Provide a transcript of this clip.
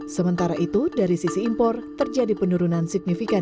sementara itu dari sisi impor terjadi penurunan signifikan